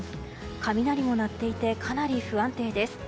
雷も鳴っていてかなり不安定です。